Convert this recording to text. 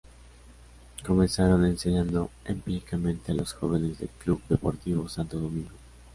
Comenzaron enseñando empíricamente a los jóvenes del Club Deportivo Santo Domingo.